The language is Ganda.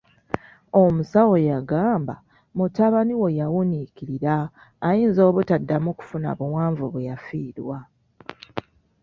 Omusawo yagamba; mutabani wo yawuniikirira ayinza obutaddamu kufuna buwanvu bwe yafiirwa.